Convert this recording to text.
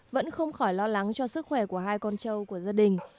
vẫn không khỏi lo lắng cho sức khỏe của hai con trâu của gia đình